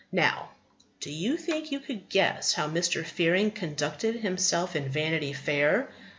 Now, do you think you could guess how Mr. Fearing conducted himself in Vanity Fair?